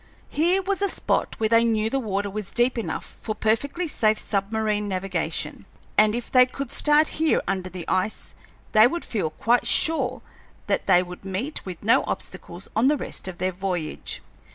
Here was a spot where they knew the water was deep enough for perfectly safe submarine navigation, and if they could start here under the ice they would feel quite sure that they would meet with no obstacles on the rest of their voyage.